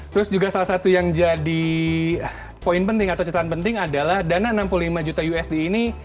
terus juga salah satu yang jadi poin penting atau catatan penting adalah dana enam puluh lima juta usd ini